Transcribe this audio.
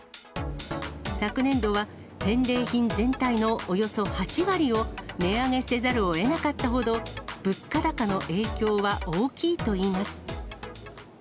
昨年度は返礼品全体のおよそ８割を値上げせざるをえなかったほど、物価高の影響は大きいといいます。